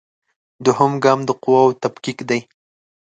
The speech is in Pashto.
دوهم ګام د قواوو تفکیک دی.